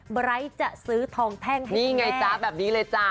ไบร์สจะซื้อทองแท่งให้แม่นี่ไงจ๊ะแบบนี้เลยจ้ะ